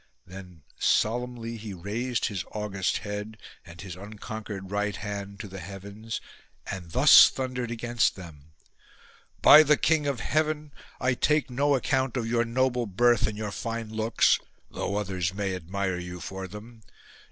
Then solemnly he raised his august head and his unconquered right hand to the heavens and thus thundered against them, " By the King of Heaven, I take no account of your noble birth and your fine looks, though others may admire you for them.